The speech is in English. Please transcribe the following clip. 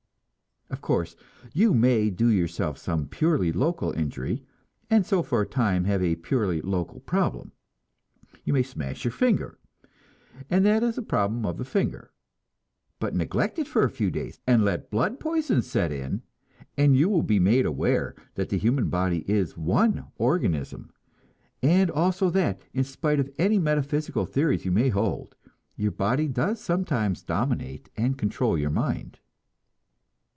Of course, you may do yourself some purely local injury, and so for a time have a purely local problem. You may smash your finger, and that is a problem of a finger; but neglect it for a few days, and let blood poison set in, and you will be made aware that the human body is one organism, and also that, in spite of any metaphysical theories you may hold, your body does sometimes dominate and control your mind.